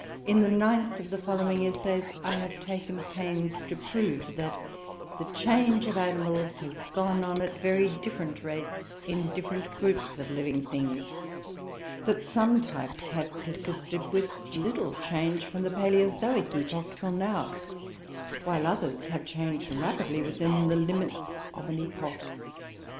In the ninth of the following essays, I have taken pains to prove that the change of animals has gone on at very different rates in different groups of living beings; that some types have persisted with little change from the paleozoic epoch till now, while others have changed rapidly within the limits of an epoch.